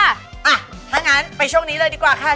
อ่ะถ้างั้นไปช่วงนี้เลยดีกว่าค่ะ